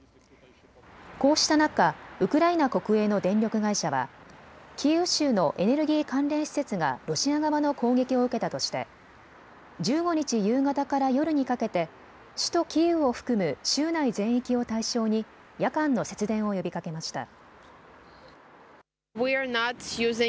こうした中、ウクライナ国営の電力会社はキーウ州のエネルギー関連施設がロシア側の攻撃を受けたとして１５日夕方から夜にかけて首都キーウを含む州内全域を対象に夜間の節電を呼びかけました。